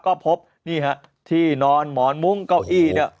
ก็พบอยู่นี่ครับที่นอนหมอนมุ้งเก่าอี้เนี่ย